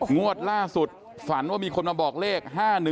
งวดล่าสุดฝันว่ามีคนมาบอกเลข๕๑